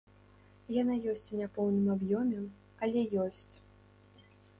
Яна ёсць у няпоўным аб'ёме, але ёсць.